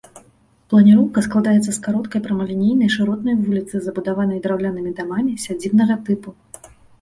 Планіроўка складаецца з кароткай прамалінейнай, шыротнай вуліцы, забудаванай драўлянымі дамамі сядзібнага тыпу.